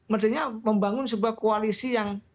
membangun sebuah koalisi yang